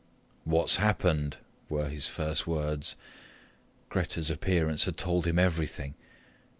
"What's happened?" were his first words. Grete's appearance had told him everything.